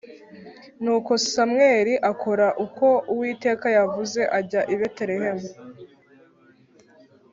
Nuko Samweli akora uko Uwiteka yavuze, ajya i Betelehemu.